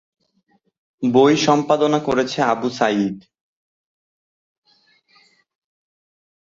বইটি সম্পাদনা করেছে আবু সাঈদ।